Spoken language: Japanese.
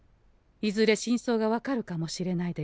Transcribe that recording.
いずれ真相が分かるかもしれないでござんす。